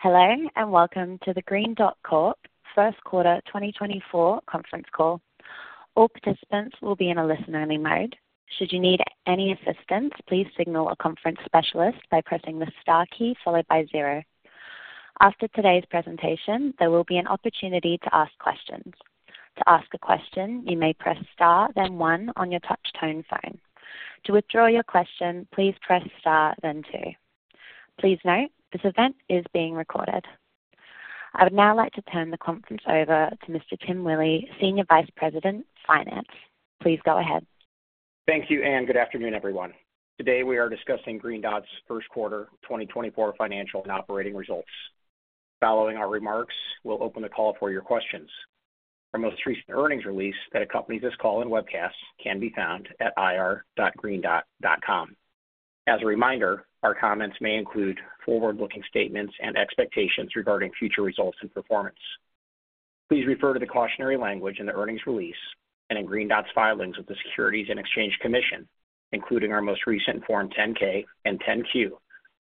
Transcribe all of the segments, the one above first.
Hello and welcome to the Green Dot Corp First Quarter 2024 Conference Call. All participants will be in a listen-only mode. Should you need any assistance, please signal a conference specialist by pressing the star key followed by zero. After today's presentation, there will be an opportunity to ask questions. To ask a question, you may press star then one on your touch-tone phone. To withdraw your question, please press star then two. Please note, this event is being recorded. I would now like to turn the conference over to Mr. Tim Willi, Senior Vice President Finance. Please go ahead. Thank you, Anne. Good afternoon, everyone. Today we are discussing Green Dot's first quarter 2024 financial and operating results. Following our remarks, we'll open the call for your questions. Our most recent earnings release that accompanies this call and webcast can be found at ir.greendot.com. As a reminder, our comments may include forward-looking statements and expectations regarding future results and performance. Please refer to the cautionary language in the earnings release and in Green Dot's filings with the Securities and Exchange Commission, including our most recent Form 10-K and 10-Q,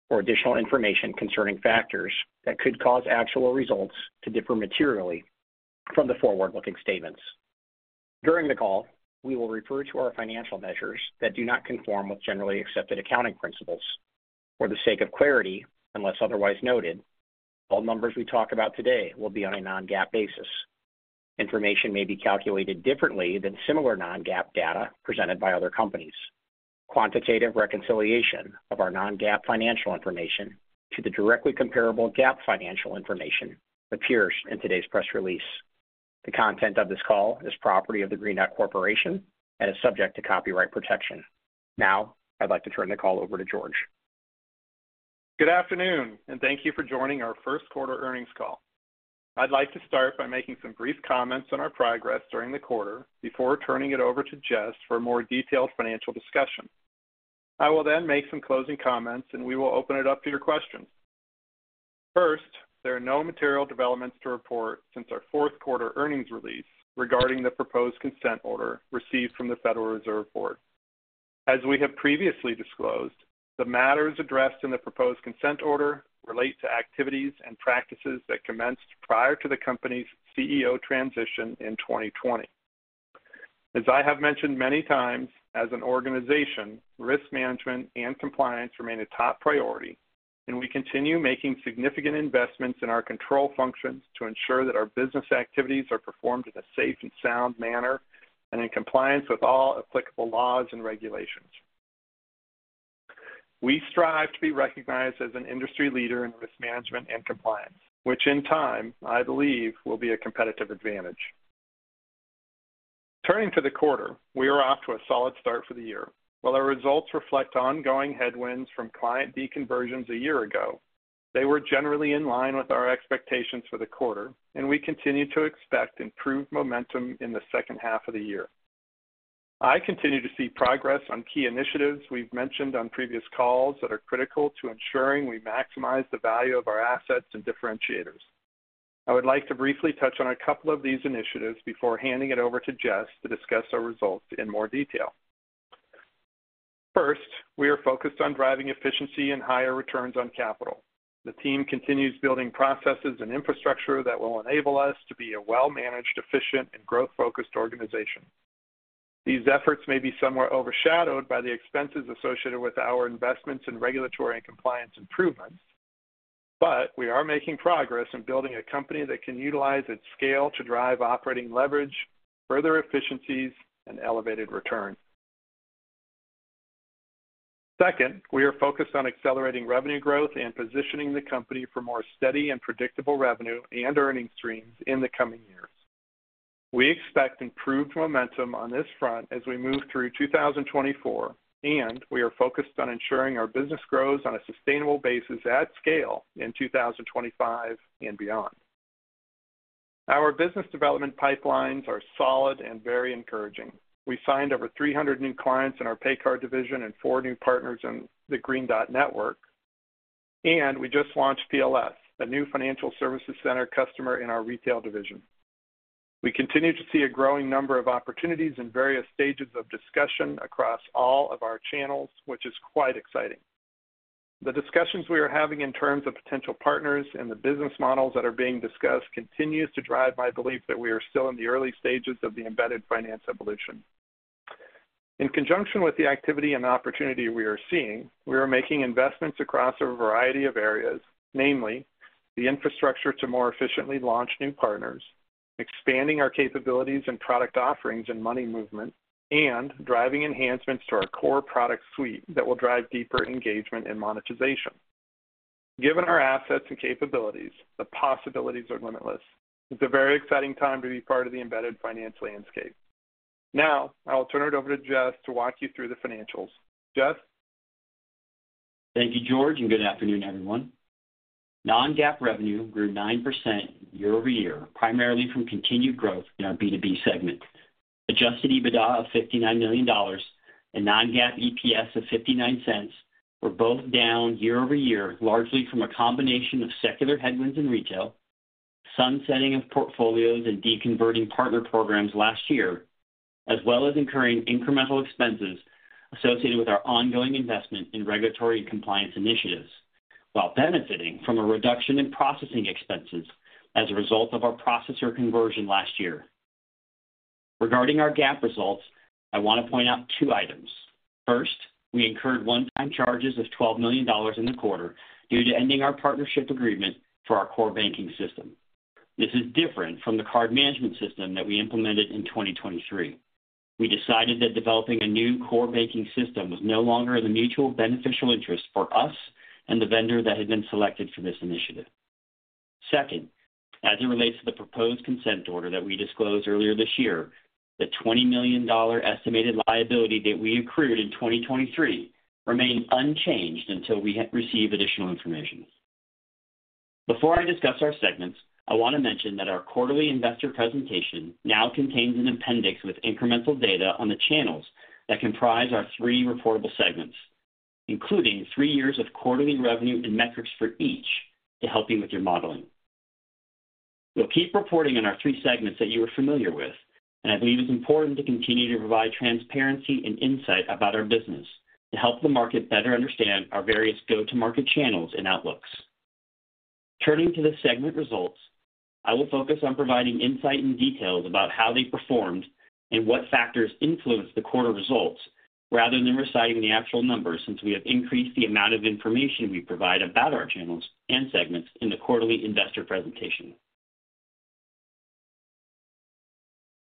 for additional information concerning factors that could cause actual results to differ materially from the forward-looking statements. During the call, we will refer to our financial measures that do not conform with generally accepted accounting principles. For the sake of clarity, unless otherwise noted, all numbers we talk about today will be on a non-GAAP basis. Information may be calculated differently than similar non-GAAP data presented by other companies. Quantitative reconciliation of our non-GAAP financial information to the directly comparable GAAP financial information appears in today's press release. The content of this call is property of the Green Dot Corporation and is subject to copyright protection. Now I'd like to turn the call over to George. Good afternoon, and thank you for joining our first quarter earnings call. I'd like to start by making some brief comments on our progress during the quarter before turning it over to Jess for a more detailed financial discussion. I will then make some closing comments, and we will open it up to your questions. First, there are no material developments to report since our fourth quarter earnings release regarding the proposed consent order received from the Federal Reserve Board. As we have previously disclosed, the matters addressed in the proposed consent order relate to activities and practices that commenced prior to the company's CEO transition in 2020. As I have mentioned many times, as an organization, risk management and compliance remain a top priority, and we continue making significant investments in our control functions to ensure that our business activities are performed in a safe and sound manner and in compliance with all applicable laws and regulations. We strive to be recognized as an industry leader in risk management and compliance, which in time, I believe, will be a competitive advantage. Turning to the quarter, we are off to a solid start for the year. While our results reflect ongoing headwinds from client deconversions a year ago, they were generally in line with our expectations for the quarter, and we continue to expect improved momentum in the second half of the year. I continue to see progress on key initiatives we've mentioned on previous calls that are critical to ensuring we maximize the value of our assets and differentiators. I would like to briefly touch on a couple of these initiatives before handing it over to Jess to discuss our results in more detail. First, we are focused on driving efficiency and higher returns on capital. The team continues building processes and infrastructure that will enable us to be a well-managed, efficient, and growth-focused organization. These efforts may be somewhat overshadowed by the expenses associated with our investments in regulatory and compliance improvements, but we are making progress in building a company that can utilize its scale to drive operating leverage, further efficiencies, and elevated returns. Second, we are focused on accelerating revenue growth and positioning the company for more steady and predictable revenue and earnings streams in the coming years. We expect improved momentum on this front as we move through 2024, and we are focused on ensuring our business grows on a sustainable basis at scale in 2025 and beyond. Our business development pipelines are solid and very encouraging. We signed over 300 new clients in our pay card division and four new partners in the Green Dot Network, and we just launched PLS, a new financial services center customer in our retail division. We continue to see a growing number of opportunities in various stages of discussion across all of our channels, which is quite exciting. The discussions we are having in terms of potential partners and the business models that are being discussed continue to drive my belief that we are still in the early stages of the embedded finance evolution. In conjunction with the activity and opportunity we are seeing, we are making investments across a variety of areas, namely the infrastructure to more efficiently launch new partners, expanding our capabilities and product offerings and money movement, and driving enhancements to our core product suite that will drive deeper engagement and monetization. Given our assets and capabilities, the possibilities are limitless. It's a very exciting time to be part of the embedded finance landscape. Now I will turn it over to Jess to walk you through the financials. Jess? Thank you, George, and good afternoon, everyone. Non-GAAP revenue grew 9% year-over-year, primarily from continued growth in our B2B segment. Adjusted EBITDA of $59 million and non-GAAP EPS of $0.59 were both down year-over-year, largely from a combination of secular headwinds in retail, sunsetting of portfolios and deconverting partner programs last year, as well as incurring incremental expenses associated with our ongoing investment in regulatory and compliance initiatives while benefiting from a reduction in processing expenses as a result of our processor conversion last year. Regarding our GAAP results, I want to point out two items. First, we incurred one-time charges of $12 million in the quarter due to ending our partnership agreement for our core banking system. This is different from the card management system that we implemented in 2023. We decided that developing a new core banking system was no longer in the mutually beneficial interest for us and the vendor that had been selected for this initiative. Second, as it relates to the proposed consent order that we disclosed earlier this year, the $20 million estimated liability that we accrued in 2023 remained unchanged until we received additional information. Before I discuss our segments, I want to mention that our quarterly investor presentation now contains an appendix with incremental data on the channels that comprise our three reportable segments, including three years of quarterly revenue and metrics for each to help you with your modeling. We'll keep reporting on our three segments that you are familiar with, and I believe it's important to continue to provide transparency and insight about our business to help the market better understand our various go-to-market channels and outlooks. Turning to the segment results, I will focus on providing insight and details about how they performed and what factors influenced the quarter results rather than reciting the actual numbers since we have increased the amount of information we provide about our channels and segments in the quarterly investor presentation.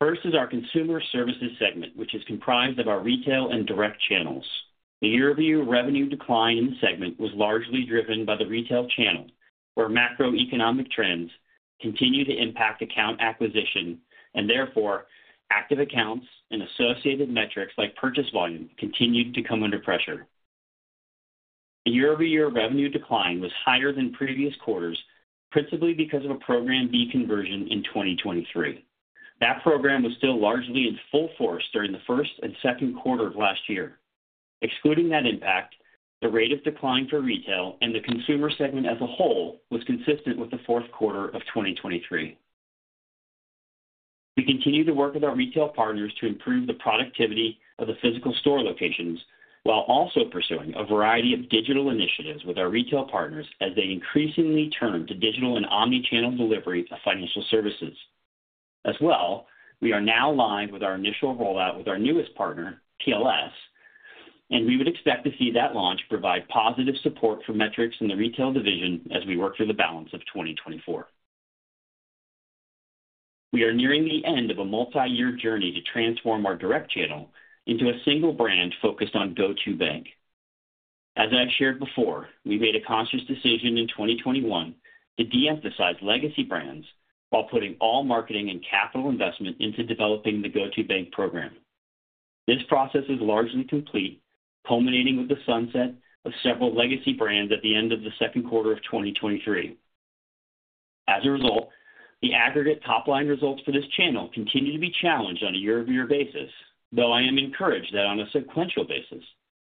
First is our consumer services segment, which is comprised of our retail and direct channels. The year-over-year revenue decline in the segment was largely driven by the retail channel, where macroeconomic trends continue to impact account acquisition and, therefore, active accounts and associated metrics like purchase volume continued to come under pressure. The year-over-year revenue decline was higher than previous quarters, principally because of a program deconversion in 2023. That program was still largely in full force during the first and second quarter of last year. Excluding that impact, the rate of decline for retail and the consumer segment as a whole was consistent with the fourth quarter of 2023. We continue to work with our retail partners to improve the productivity of the physical store locations while also pursuing a variety of digital initiatives with our retail partners as they increasingly turn to digital and omnichannel delivery of financial services. As well, we are now aligned with our initial rollout with our newest partner, PLS, and we would expect to see that launch provide positive support for metrics in the retail division as we work through the balance of 2024. We are nearing the end of a multi-year journey to transform our direct channel into a single brand focused on GO2bank. As I've shared before, we made a conscious decision in 2021 to de-emphasize legacy brands while putting all marketing and capital investment into developing the GO2bank program. This process is largely complete, culminating with the sunset of several legacy brands at the end of the second quarter of 2023. As a result, the aggregate top-line results for this channel continue to be challenged on a year-over-year basis, though I am encouraged that on a sequential basis,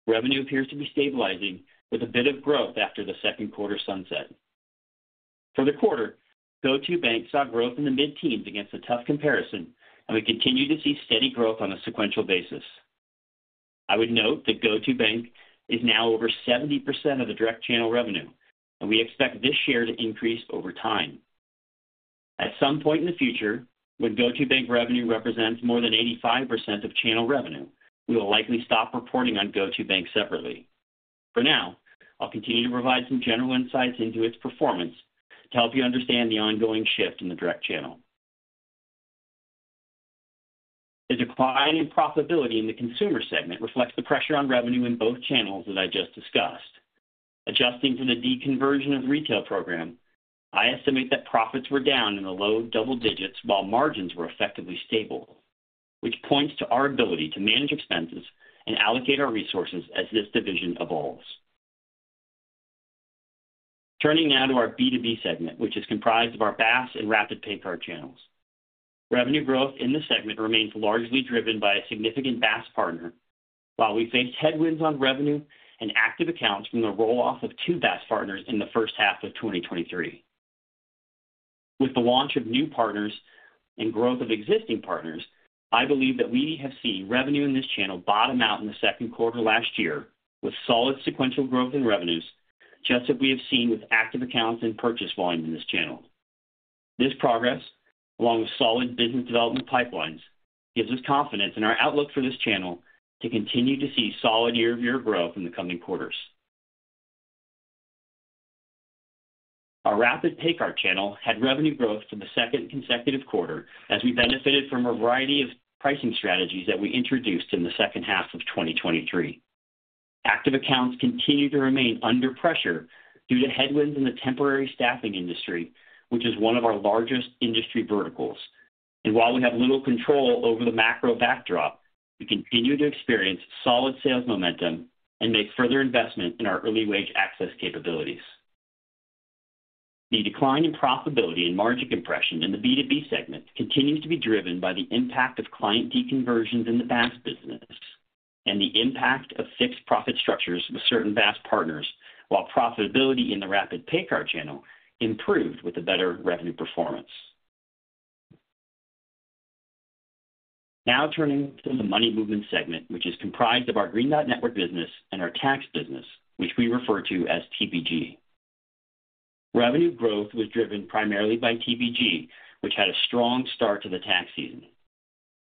revenue appears to be stabilizing with a bit of growth after the second quarter sunset. For the quarter, GO2bank saw growth in the mid-teens against a tough comparison, and we continue to see steady growth on a sequential basis. I would note that GO2bank is now over 70% of the direct channel revenue, and we expect this share to increase over time. At some point in the future, when GO2bank revenue represents more than 85% of channel revenue, we will likely stop reporting on GO2bank separately. For now, I'll continue to provide some general insights into its performance to help you understand the ongoing shift in the direct channel. The decline in profitability in the consumer segment reflects the pressure on revenue in both channels that I just discussed. Adjusting for the deconversion of the retail program, I estimate that profits were down in the low double digits while margins were effectively stable, which points to our ability to manage expenses and allocate our resources as this division evolves. Turning now to our B2B segment, which is comprised of our BaaS and rapid! PayCard channels. Revenue growth in this segment remains largely driven by a significant BaaS partner, while we faced headwinds on revenue and active accounts from the rolloff of two BaaS partners in the first half of 2023. With the launch of new partners and growth of existing partners, I believe that we have seen revenue in this channel bottom out in the second quarter last year with solid sequential growth in revenues, just as we have seen with active accounts and purchase volume in this channel. This progress, along with solid business development pipelines, gives us confidence in our outlook for this channel to continue to see solid year-over-year growth in the coming quarters. Our rapid! PayCard channel had revenue growth for the second consecutive quarter as we benefited from a variety of pricing strategies that we introduced in the second half of 2023. Active accounts continue to remain under pressure due to headwinds in the temporary staffing industry, which is one of our largest industry verticals. While we have little control over the macro backdrop, we continue to experience solid sales momentum and make further investment in our early wage access capabilities. The decline in profitability and margin compression in the B2B segment continues to be driven by the impact of client deconversions in the BaaS business and the impact of fixed profit structures with certain BaaS partners, while profitability in the rapid! PayCard channel improved with a better revenue performance. Now turning to the money movement segment, which is comprised of our Green Dot Network business and our tax business, which we refer to as TPG. Revenue growth was driven primarily by TPG, which had a strong start to the tax season.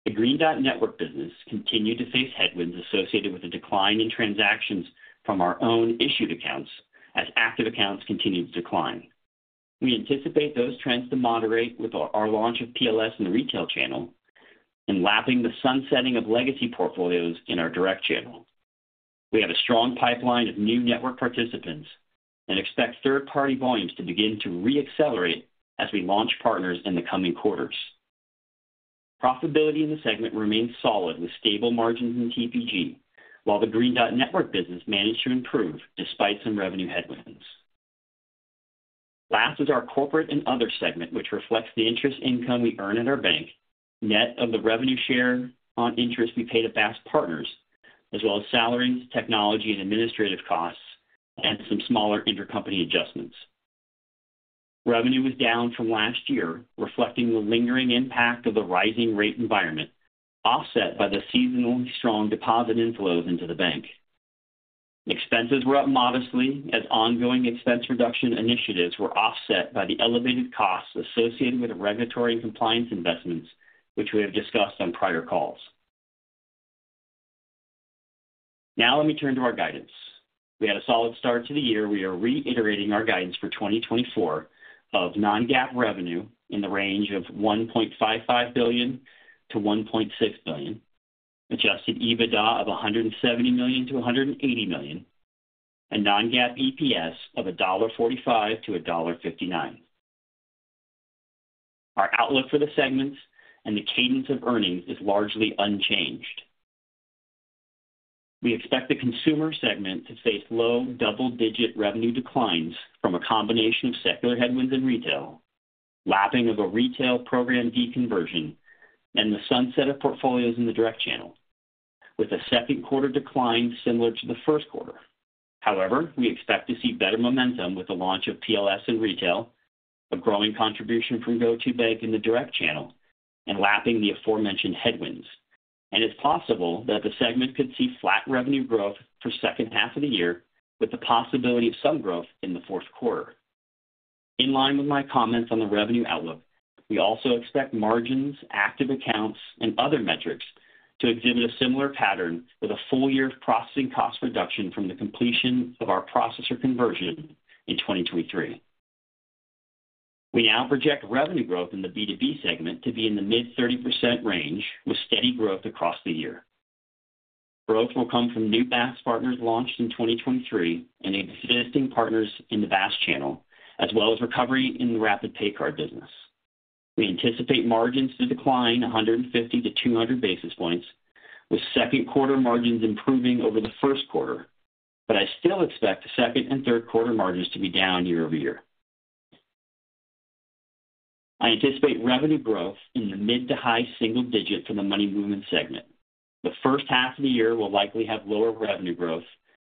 The Green Dot Network business continued to face headwinds associated with a decline in transactions from our own issued accounts as active accounts continued to decline. We anticipate those trends to moderate with our launch of PLS in the retail channel and lapping the sunsetting of legacy portfolios in our direct channel. We have a strong pipeline of new network participants and expect third-party volumes to begin to re-accelerate as we launch partners in the coming quarters. Profitability in the segment remains solid with stable margins in TPG, while the Green Dot Network business managed to improve despite some revenue headwinds. Last is our corporate and other segment, which reflects the interest income we earn at our bank net of the revenue share on interest we paid to BaaS partners, as well as salaries, technology, and administrative costs, and some smaller intercompany adjustments. Revenue was down from last year, reflecting the lingering impact of the rising rate environment offset by the seasonally strong deposit inflows into the bank. Expenses were up modestly as ongoing expense reduction initiatives were offset by the elevated costs associated with regulatory and compliance investments, which we have discussed on prior calls. Now let me turn to our guidance. We had a solid start to the year. We are reiterating our guidance for 2024 of non-GAAP revenue in the range of $1.55 billion-$1.6 billion, Adjusted EBITDA of $170 million-$180 million, and non-GAAP EPS of $1.45-$1.59. Our outlook for the segments and the cadence of earnings is largely unchanged. We expect the consumer segment to face low double-digit revenue declines from a combination of secular headwinds in retail, lapping of a retail program deconversion, and the sunset of portfolios in the direct channel, with a second quarter decline similar to the first quarter. However, we expect to see better momentum with the launch of PLS in retail, a growing contribution from GO2bank in the direct channel, and lapping the aforementioned headwinds. And it's possible that the segment could see flat revenue growth for the second half of the year, with the possibility of some growth in the fourth quarter. In line with my comments on the revenue outlook, we also expect margins, active accounts, and other metrics to exhibit a similar pattern with a full year of processing cost reduction from the completion of our processor conversion in 2023. We now project revenue growth in the B2B segment to be in the mid-30% range with steady growth across the year. Growth will come from new BaaS partners launched in 2023 and existing partners in the BaaS channel, as well as recovery in the rapid! PayCard business. We anticipate margins to decline 150-200 basis points, with second quarter margins improving over the first quarter, but I still expect second and third quarter margins to be down year-over-year. I anticipate revenue growth in the mid- to high-single-digit for the money movement segment. The first half of the year will likely have lower revenue growth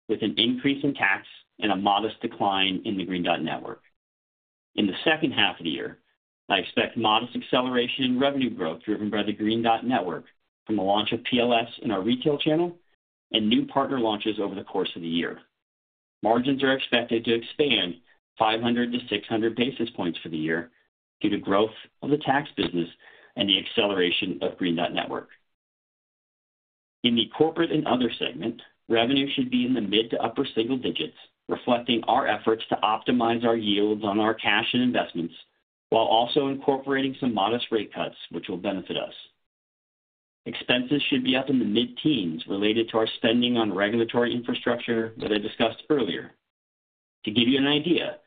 with an increase in tax and a modest decline in the Green Dot Network. In the second half of the year, I expect modest acceleration in revenue growth driven by the Green Dot Network from the launch of PLS in our retail channel and new partner launches over the course of the year. Margins are expected to expand 500-600 basis points for the year due to growth of the tax business and the acceleration of Green Dot Network. In the corporate and other segment, revenue should be in the mid to upper single digits, reflecting our efforts to optimize our yields on our cash and investments while also incorporating some modest rate cuts, which will benefit us. Expenses should be up in the mid-teens related to our spending on regulatory infrastructure that I discussed earlier. To give you an idea,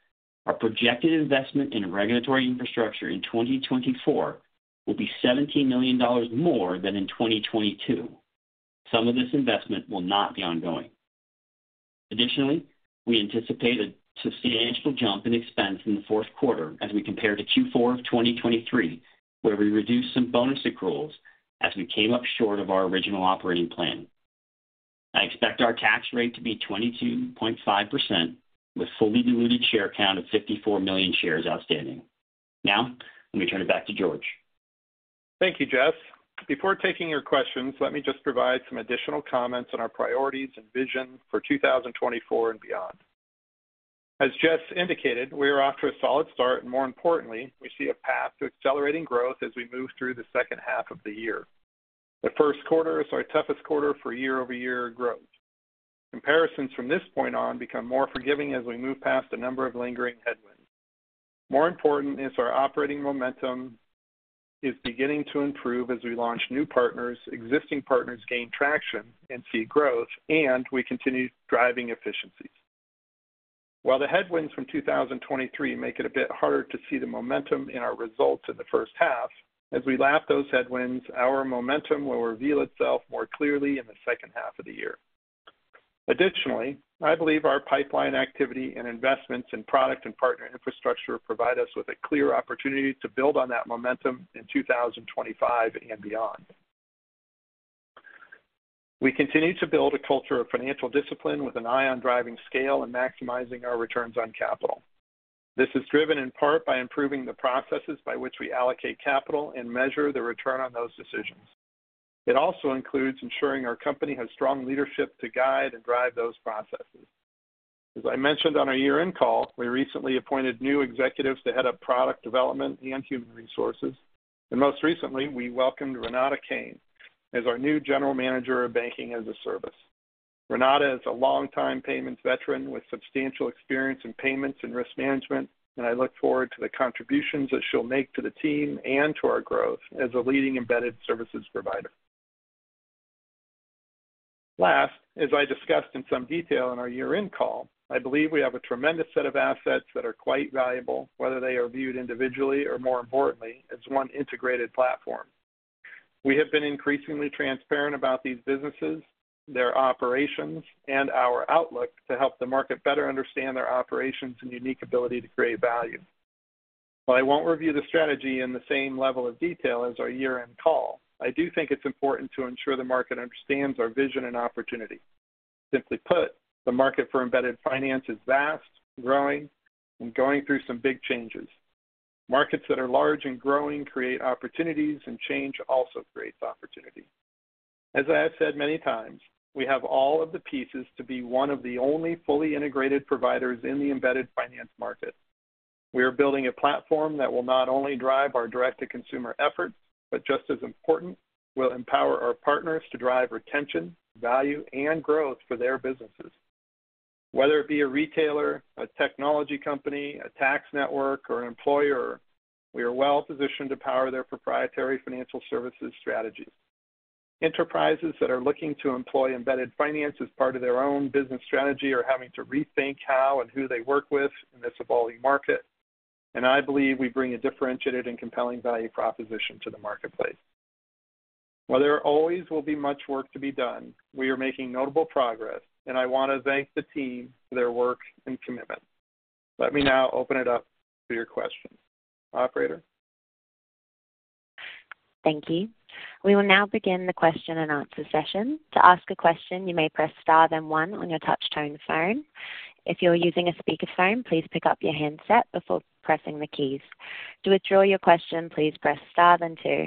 our projected investment in regulatory infrastructure in 2024 will be $17 million more than in 2022. Some of this investment will not be ongoing. Additionally, we anticipate a substantial jump in expense in the fourth quarter as we compare to Q4 of 2023, where we reduced some bonus accruals as we came up short of our original operating plan. I expect our tax rate to be 22.5% with a fully diluted share count of 54 million shares outstanding. Now let me turn it back to George. Thank you, Jess. Before taking your questions, let me just provide some additional comments on our priorities and vision for 2024 and beyond. As Jess indicated, we are off to a solid start, and more importantly, we see a path to accelerating growth as we move through the second half of the year. The first quarter is our toughest quarter for year-over-year growth. Comparisons from this point on become more forgiving as we move past a number of lingering headwinds. More important is our operating momentum is beginning to improve as we launch new partners, existing partners gain traction and see growth, and we continue driving efficiencies. While the headwinds from 2023 make it a bit harder to see the momentum in our results in the first half, as we lap those headwinds, our momentum will reveal itself more clearly in the second half of the year. Additionally, I believe our pipeline activity and investments in product and partner infrastructure provide us with a clear opportunity to build on that momentum in 2025 and beyond. We continue to build a culture of financial discipline with an eye on driving scale and maximizing our returns on capital. This is driven in part by improving the processes by which we allocate capital and measure the return on those decisions. It also includes ensuring our company has strong leadership to guide and drive those processes. As I mentioned on our year-end call, we recently appointed new executives to head up product development and human resources, and most recently, we welcomed Renata Caine as our new General Manager of Banking as a Service. Renata is a longtime payments veteran with substantial experience in payments and risk management, and I look forward to the contributions that she'll make to the team and to our growth as a leading embedded services provider. Last, as I discussed in some detail in our year-end call, I believe we have a tremendous set of assets that are quite valuable, whether they are viewed individually or, more importantly, as one integrated platform. We have been increasingly transparent about these businesses, their operations, and our outlook to help the market better understand their operations and unique ability to create value. While I won't review the strategy in the same level of detail as our year-end call, I do think it's important to ensure the market understands our vision and opportunity. Simply put, the market for embedded finance is vast, growing, and going through some big changes. Markets that are large and growing create opportunities, and change also creates opportunity. As I have said many times, we have all of the pieces to be one of the only fully integrated providers in the embedded finance market. We are building a platform that will not only drive our direct-to-consumer efforts but, just as important, will empower our partners to drive retention, value, and growth for their businesses. Whether it be a retailer, a technology company, a tax network, or an employer, we are well positioned to power their proprietary financial services strategies. Enterprises that are looking to employ embedded finance as part of their own business strategy are having to rethink how and who they work with in this evolving market, and I believe we bring a differentiated and compelling value proposition to the marketplace. Whether or always, there will be much work to be done. We are making notable progress, and I want to thank the team for their work and commitment. Let me now open it up for your questions. Operator? Thank you. We will now begin the question-and-answer session. To ask a question, you may press star then one on your touch-tone phone. If you're using a speakerphone, please pick up your handset before pressing the keys. To withdraw your question, please press star then two.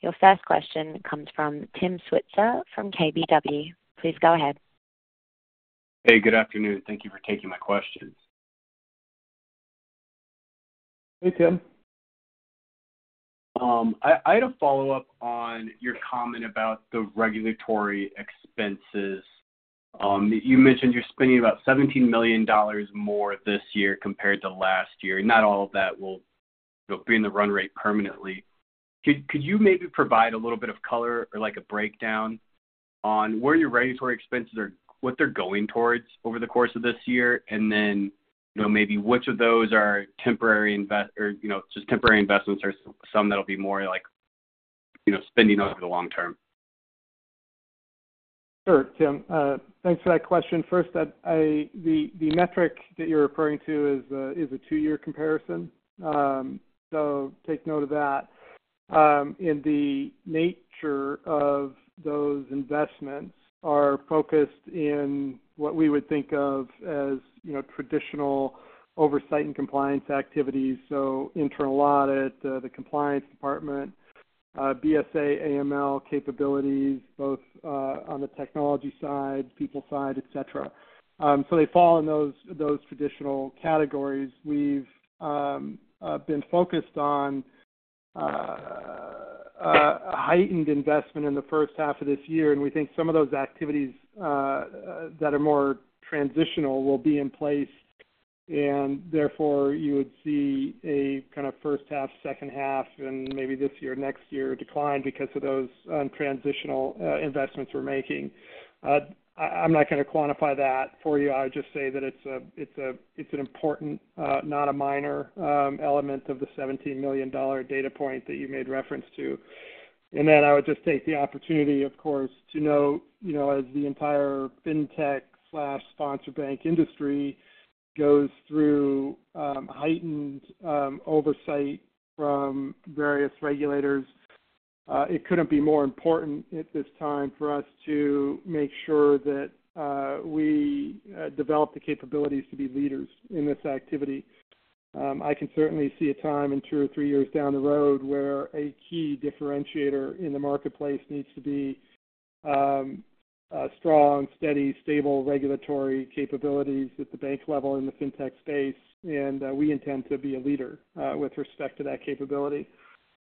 Your first question comes from Tim Switzer from KBW. Please go ahead. Hey, good afternoon. Thank you for taking my questions. Hey, Tim. I had a follow-up on your comment about the regulatory expenses. You mentioned you're spending about $17 million more this year compared to last year, and not all of that will be in the run rate permanently. Could you maybe provide a little bit of color or a breakdown on where your regulatory expenses are, what they're going towards over the course of this year, and then maybe which of those are temporary or just temporary investments or some that'll be more spending over the long term? Sure, Tim. Thanks for that question. First, the metric that you're referring to is a two-year comparison, so take note of that. The nature of those investments are focused in what we would think of as traditional oversight and compliance activities, so internal audit, the compliance department, BSA, AML capabilities, both on the technology side, people side, etc. So they fall in those traditional categories. We've been focused on a heightened investment in the first half of this year, and we think some of those activities that are more transitional will be in place, and therefore, you would see a kind of first half, second half, and maybe this year or next year decline because of those transitional investments we're making. I'm not going to quantify that for you. I would just say that it's an important, not a minor element of the $17 million data point that you made reference to. And then I would just take the opportunity, of course, to note, as the entire fintech/sponsor bank industry goes through heightened oversight from various regulators, it couldn't be more important at this time for us to make sure that we develop the capabilities to be leaders in this activity. I can certainly see a time in two or three years down the road where a key differentiator in the marketplace needs to be strong, steady, stable regulatory capabilities at the bank level in the fintech space, and we intend to be a leader with respect to that capability.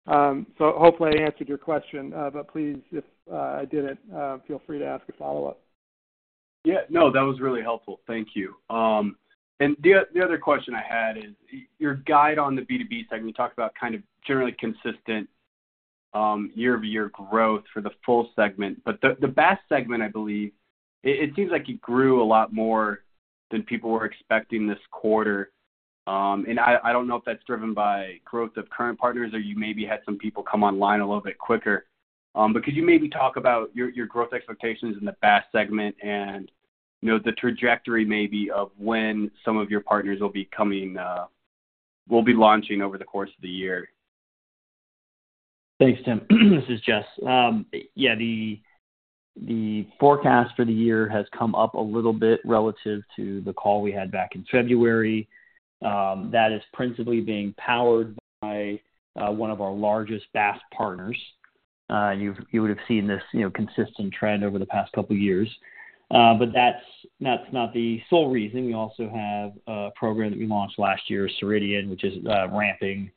So hopefully, I answered your question, but please, if I didn't, feel free to ask a follow-up. Yeah. No, that was really helpful. Thank you. And the other question I had is your guidance on the B2B segment. You talked about kind of generally consistent year-over-year growth for the full segment, but the BaaS segment, I believe, it seems like it grew a lot more than people were expecting this quarter. And I don't know if that's driven by growth of current partners or you maybe had some people come online a little bit quicker, but could you maybe talk about your growth expectations in the BaaS segment and the trajectory maybe of when some of your partners will be launching over the course of the year? Thanks, Tim. This is Jess. Yeah, the forecast for the year has come up a little bit relative to the call we had back in February. That is principally being powered by one of our largest BaaS partners. You would have seen this consistent trend over the past couple of years, but that's not the sole reason. We also have a program that we launched last year, Ceridian, which is ramping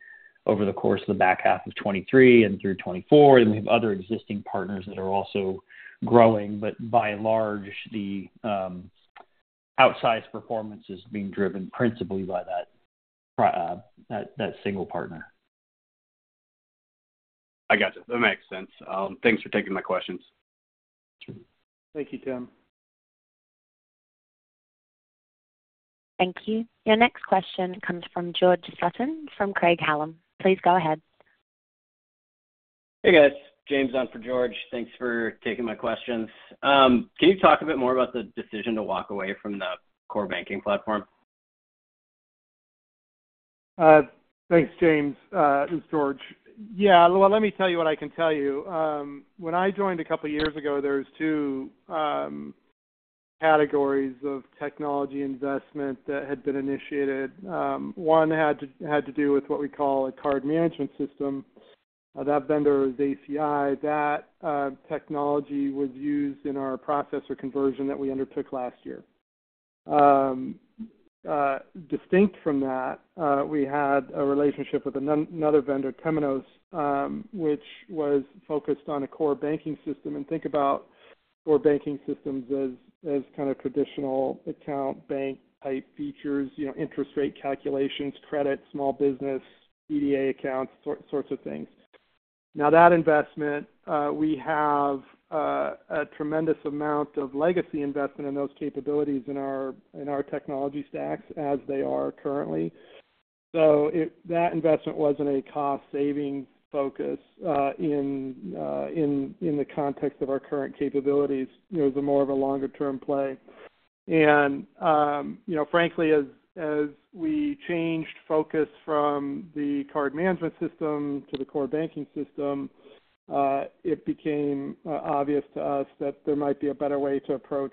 over the course of the back half of 2023 and through 2024, and we have other existing partners that are also growing, but by and large, the outsized performance is being driven principally by that single partner. I gotcha. That makes sense. Thanks for taking my questions. Thank you, Tim. Thank you. Your next question comes from George Sutton from Craig-Hallum. Please go ahead. Hey, guys. James on for George. Thanks for taking my questions. Can you talk a bit more about the decision to walk away from the core banking platform? Thanks, James. This is George. Yeah. Well, let me tell you what I can tell you. When I joined a couple of years ago, there were two categories of technology investment that had been initiated. One had to do with what we call a card management system. That vendor is ACI. That technology was used in our processor conversion that we undertook last year. Distinct from that, we had a relationship with another vendor, Temenos, which was focused on a core banking system. And think about core banking systems as kind of traditional account bank-type features, interest rate calculations, credit, small business, DDA accounts, sorts of things. Now, that investment, we have a tremendous amount of legacy investment in those capabilities in our technology stacks as they are currently. So that investment wasn't a cost-saving focus in the context of our current capabilities. It was more of a longer-term play. And frankly, as we changed focus from the card management system to the core banking system, it became obvious to us that there might be a better way to approach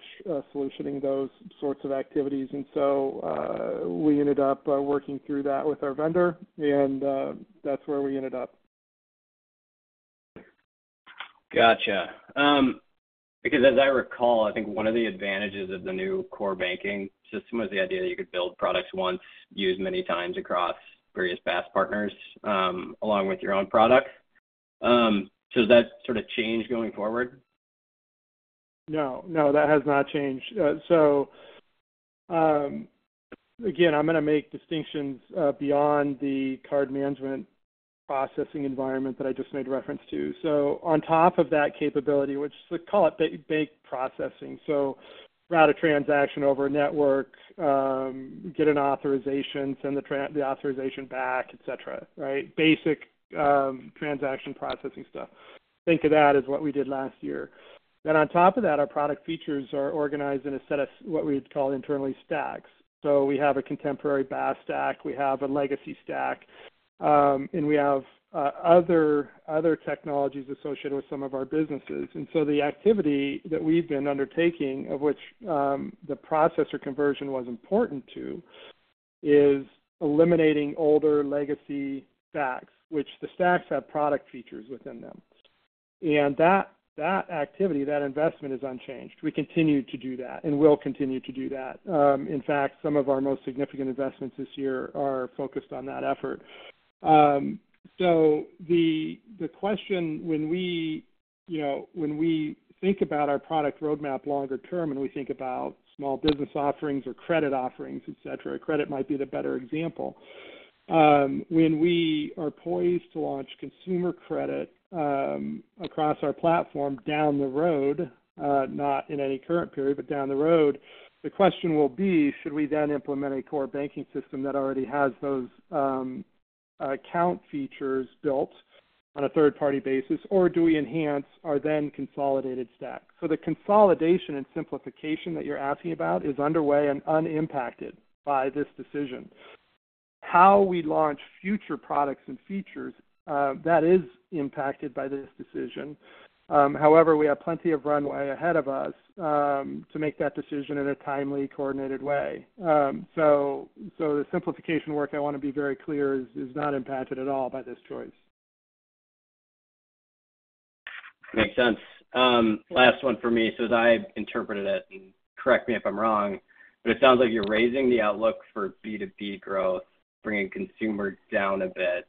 solutioning those sorts of activities. And so we ended up working through that with our vendor, and that's where we ended up. Gotcha. Because as I recall, I think one of the advantages of the new core banking system was the idea that you could build products once, use many times across various BaaS partners along with your own products. So has that sort of changed going forward? No. No, that has not changed. So again, I'm going to make distinctions beyond the card management processing environment that I just made reference to. So on top of that capability, which let's call it bank processing, so route a transaction over a network, get an authorization, send the authorization back, etc., right? Basic transaction processing stuff. Think of that as what we did last year. Then on top of that, our product features are organized in a set of what we'd call internally stacks. So we have a contemporary BaaS stack. We have a legacy stack. And we have other technologies associated with some of our businesses. And so the activity that we've been undertaking, of which the processor conversion was important to, is eliminating older legacy stacks, which the stacks have product features within them. And that activity, that investment, is unchanged. We continue to do that and will continue to do that. In fact, some of our most significant investments this year are focused on that effort. So the question, when we think about our product roadmap longer-term and we think about small business offerings or credit offerings, etc., credit might be the better example, when we are poised to launch consumer credit across our platform down the road, not in any current period, but down the road, the question will be, should we then implement a core banking system that already has those account features built on a third-party basis, or do we enhance our then-consolidated stack? So the consolidation and simplification that you're asking about is underway and unimpacted by this decision. How we launch future products and features, that is impacted by this decision. However, we have plenty of runway ahead of us to make that decision in a timely, coordinated way. So the simplification work, I want to be very clear, is not impacted at all by this choice. Makes sense. Last one for me. So as I interpreted it, and correct me if I'm wrong, but it sounds like you're raising the outlook for B2B growth, bringing consumer down a bit.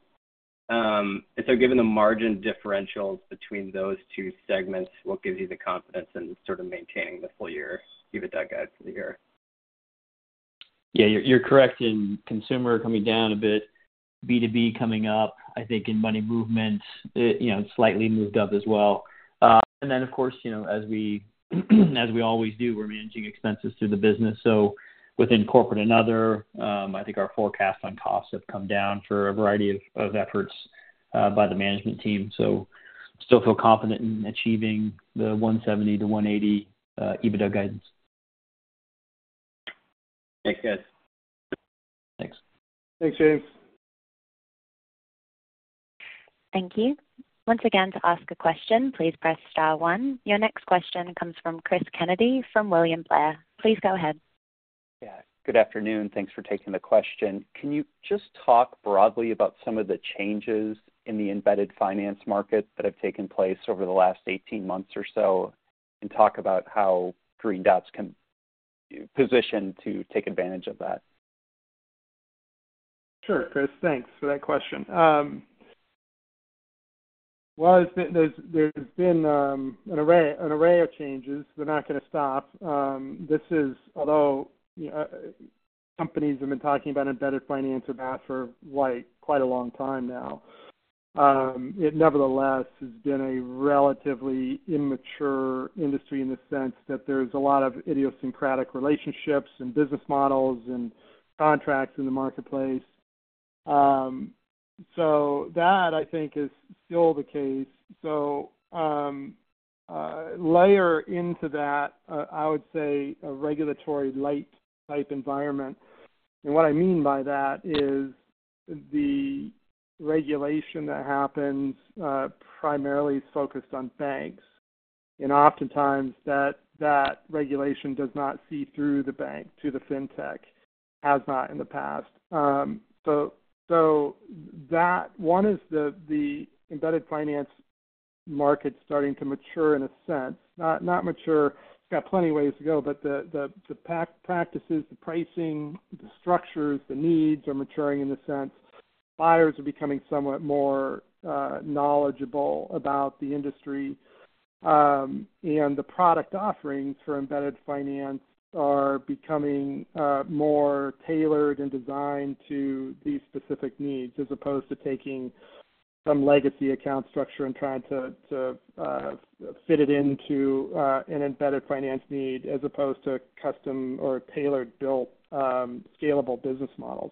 And so given the margin differentials between those two segments, what gives you the confidence in sort of maintaining the full year? You have an outlook for the year. Yeah, you're correct in consumer coming down a bit, B2B coming up. I think in money movements, it's slightly moved up as well. And then, of course, as we always do, we're managing expenses through the business. So within corporate and other, I think our forecast on costs have come down for a variety of efforts by the management team. So I still feel confident in achieving the 170-180 EBITDA guidance. Thanks, guys. Thanks. Thanks, James. Thank you. Once again, to ask a question, please press star one. Your next question comes from Chris Kennedy from William Blair. Please go ahead. Yeah. Good afternoon. Thanks for taking the question. Can you just talk broadly about some of the changes in the embedded finance market that have taken place over the last 18 months or so and talk about how Green Dot's positioned to take advantage of that? Sure, Chris. Thanks for that question. Well, there's been an array of changes. They're not going to stop. Although companies have been talking about embedded finance or BaaS for quite a long time now, it nevertheless has been a relatively immature industry in the sense that there's a lot of idiosyncratic relationships and business models and contracts in the marketplace. So that, I think, is still the case. So layer into that, I would say, a regulatory light-type environment. And what I mean by that is the regulation that happens primarily is focused on banks. And oftentimes, that regulation does not see through the bank to the fintech, has not in the past. So one is the embedded finance market starting to mature in a sense. Not mature. It's got plenty of ways to go, but the practices, the pricing, the structures, the needs are maturing in the sense. Buyers are becoming somewhat more knowledgeable about the industry, and the product offerings for embedded finance are becoming more tailored and designed to these specific needs as opposed to taking some legacy account structure and trying to fit it into an embedded finance need as opposed to custom or tailored-built, scalable business models.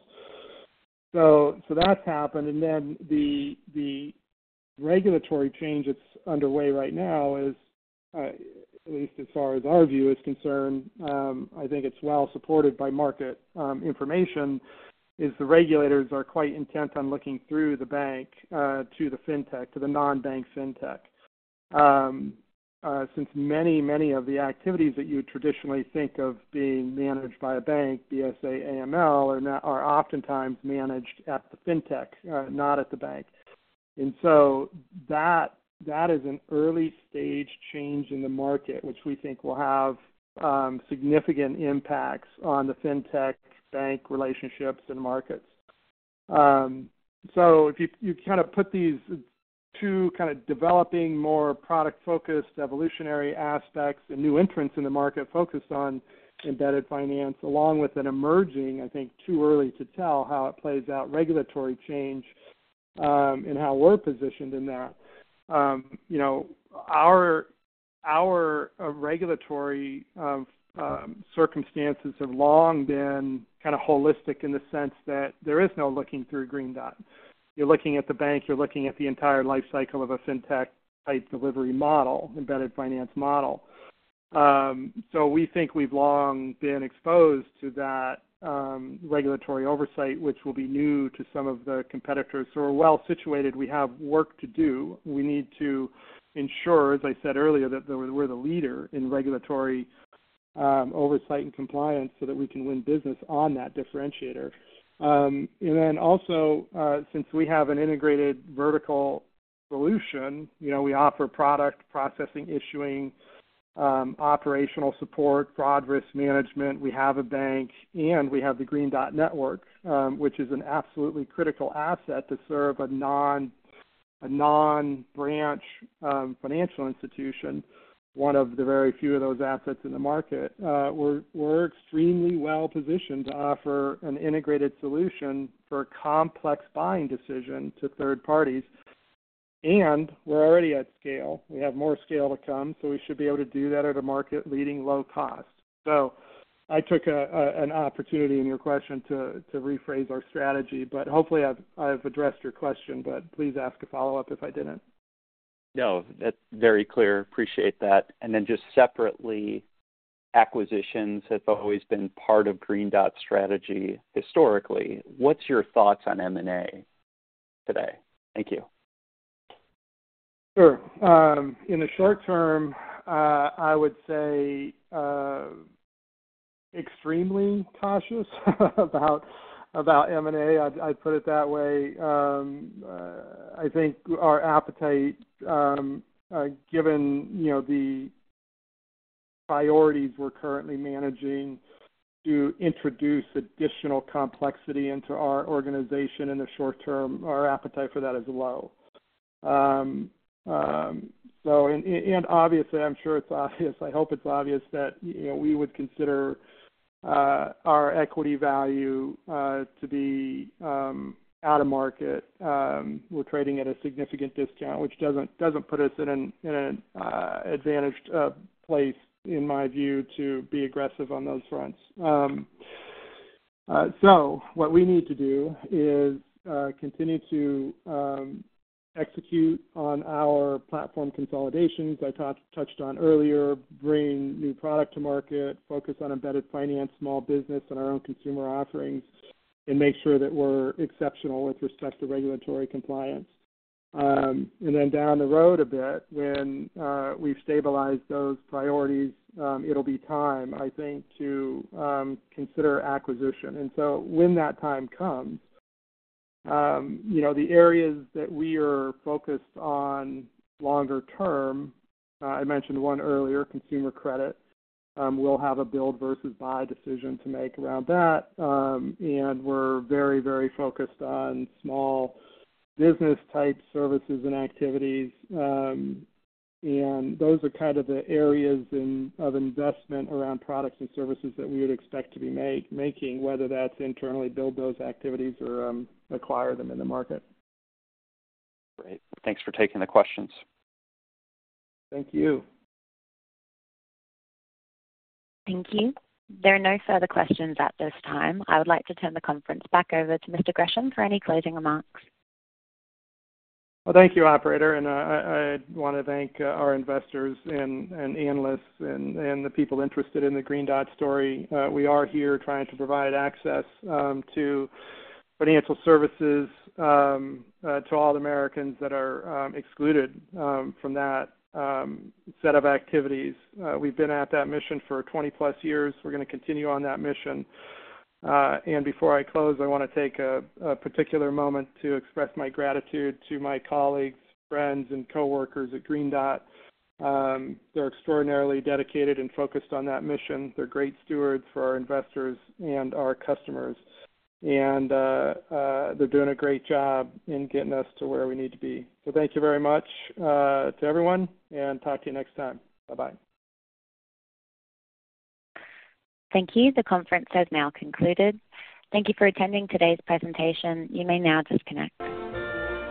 So that's happened. And then the regulatory change that's underway right now is, at least as far as our view is concerned, I think it's well supported by market information: the regulators are quite intent on looking through the bank to the fintech, to the non-bank fintech, since many, many of the activities that you would traditionally think of being managed by a bank, BSA, AML, are oftentimes managed at the fintech, not at the bank. So that is an early-stage change in the market, which we think will have significant impacts on the fintech bank relationships and markets. So if you kind of put these two kind of developing more product-focused evolutionary aspects and new entrants in the market focused on embedded finance along with an emerging, I think too early to tell how it plays out regulatory change and how we're positioned in that, our regulatory circumstances have long been kind of holistic in the sense that there is no looking through Green Dot. You're looking at the bank. You're looking at the entire lifecycle of a fintech-type delivery model, embedded finance model. So we think we've long been exposed to that regulatory oversight, which will be new to some of the competitors. So we're well situated. We have work to do. We need to ensure, as I said earlier, that we're the leader in regulatory oversight and compliance so that we can win business on that differentiator. Then also, since we have an integrated vertical solution, we offer product processing, issuing, operational support, fraud risk management. We have a bank, and we have the Green Dot Network, which is an absolutely critical asset to serve a non-branch financial institution, one of the very few of those assets in the market. We're extremely well positioned to offer an integrated solution for a complex buying decision to third parties. And we're already at scale. We have more scale to come, so we should be able to do that at a market-leading low cost. So I took an opportunity in your question to rephrase our strategy, but hopefully, I've addressed your question, but please ask a follow-up if I didn't. No, that's very clear. Appreciate that. And then just separately, acquisitions have always been part of Green Dot's strategy historically. What's your thoughts on M&A today? Thank you. Sure. In the short term, I would say extremely cautious about M&A. I'd put it that way. I think our appetite, given the priorities we're currently managing to introduce additional complexity into our organization in the short term, our appetite for that is low. Obviously, I'm sure it's obvious. I hope it's obvious that we would consider our equity value to be out of market. We're trading at a significant discount, which doesn't put us in an advantaged place, in my view, to be aggressive on those fronts. What we need to do is continue to execute on our platform consolidations I touched on earlier, bring new product to market, focus on embedded finance, small business, and our own consumer offerings, and make sure that we're exceptional with respect to regulatory compliance. And then down the road a bit, when we've stabilized those priorities, it'll be time, I think, to consider acquisition. And so when that time comes, the areas that we are focused on longer-term I mentioned one earlier, consumer credit. We'll have a build versus buy decision to make around that. And we're very, very focused on small business-type services and activities. And those are kind of the areas of investment around products and services that we would expect to be making, whether that's internally build those activities or acquire them in the market. Great. Thanks for taking the questions. Thank you. Thank you. There are no further questions at this time. I would like to turn the conference back over to Mr. Gresham for any closing remarks. Well, thank you, operator. And I want to thank our investors and analysts and the people interested in the Green Dot story. We are here trying to provide access to financial services to all Americans that are excluded from that set of activities. We've been at that mission for 20+ years. We're going to continue on that mission. Before I close, I want to take a particular moment to express my gratitude to my colleagues, friends, and coworkers at Green Dot. They're extraordinarily dedicated and focused on that mission. They're great stewards for our investors and our customer. They're doing a great job in getting us to where we need to be. So thank you very much to everyone, and talk to you next time. Bye-bye. Thank you. The conference has now concluded. Thank you for attending today's presentation. You may now disconnect.